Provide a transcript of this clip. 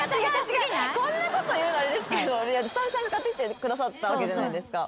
こんなこと言うのあれですけどスタッフさんが買ってきてくださったわけじゃないですか。